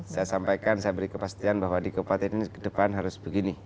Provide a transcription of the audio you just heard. saya sampaikan saya beri kepastian bahwa di kabupaten ini ke depan harus begini